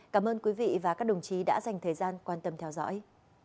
cảm ơn quý vị và các đồng chí đã dành thời gian quan tâm theo dõi